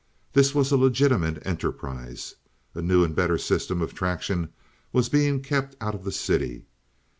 This was a legitimate enterprise. A new and better system of traction was being kept out of the city.